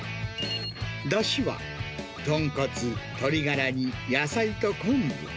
だしは豚骨、鶏がらに野菜と昆布。